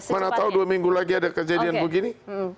mana tahu dua minggu lagi ada kejadian begini